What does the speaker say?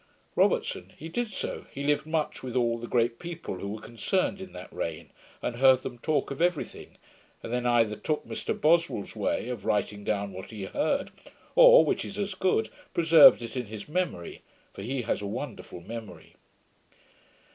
ROBERTSON. 'He did so. He lived much with all the great people who were concerned in that reign, and heard them talk of every thing: and then either took Mr Boswell's way, of writing down what he heard, or, which is as good, preserved it in his memory; for he has a wonderful memory.'